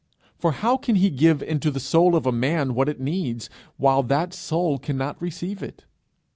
For how can he give into the soul of a man what it needs, while that soul cannot receive it?